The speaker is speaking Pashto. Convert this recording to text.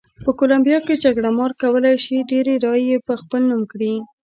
په کولمبیا کې جګړه مار کولای شي ډېرې رایې په خپل نوم کړي.